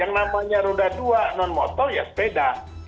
yang namanya roda dua non motor ya sepeda